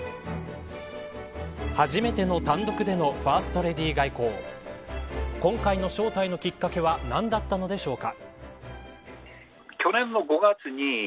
初めての単独でのファーストレディー外交今回の招待のきっかけは何だったのでしょうか。